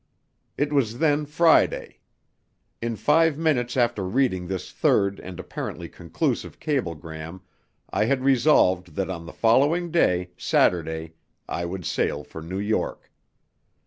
It was then Friday. In five minutes after reading this third and apparently conclusive cablegram I had resolved that on the following day, Saturday, I would sail for New York.